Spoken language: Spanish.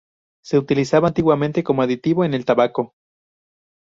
Se utilizaba antiguamente como aditivo en el tabaco